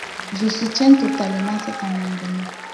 Je soutiens totalement cet amendement.